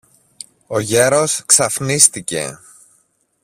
Ο γέρος ξαφνίστηκε.